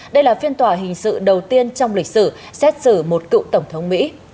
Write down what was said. đây là phiên tòa hình sự đầu tiên trong lịch sử xét xử một cựu tổng thống mỹ